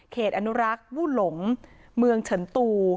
อนุรักษ์วู่หลงเมืองเฉินตู